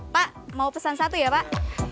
pak mau pesan satu ya pak